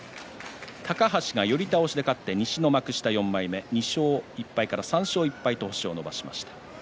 高橋が寄り倒しで勝って西の幕下４枚目、２勝１敗から３勝１敗と星を伸ばしました。